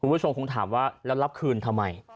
คุณผู้ชมคงถามว่าแล้วรับคืนทำไม